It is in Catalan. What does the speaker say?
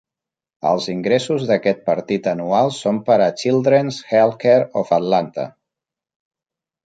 Els ingressos d'aquest partit anual són per a Children's Healthcare of Atlanta.